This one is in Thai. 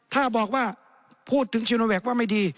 ถ้าบอกว่าพูดถึงชิโนแวคว่าไม่ดี